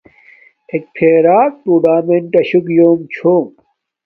اݵک فݵرݳک ٹݸرنݳمنٹَشݸ گیݸم چھݸم.